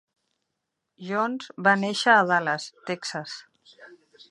Jones va néixer a Dallas, Texas.